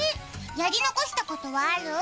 やり残したことはある？